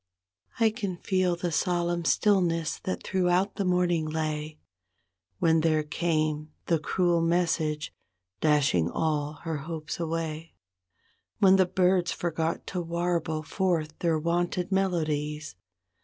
I can feel the solemn stillness that throughout the morning lay. When there came the cruel message, dashing all her hopes away; When the birds forgot to warble forth their wonted melodies.